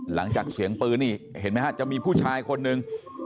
หลังจากเสียงปืนนี่เห็นไหมฮะจะมีผู้ชายคนหนึ่ง